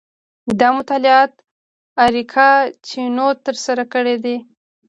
دا مطالعات اریکا چینوت ترسره کړي دي.